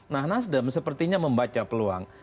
nah nasdem sepertinya membaca peluang